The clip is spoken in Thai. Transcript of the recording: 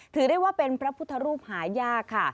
ถือได้ว่าเป็นพระพุทธรูปหายากค่ะ